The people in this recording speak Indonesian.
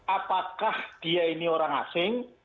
apakah dia ini orang asing